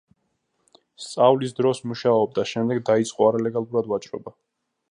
სწავლის დროს მუშაობდა, შემდეგ დაიწყო არალეგალურად ვაჭრობა.